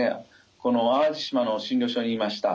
この淡路島の診療所にいました。